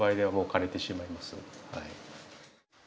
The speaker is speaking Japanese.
はい。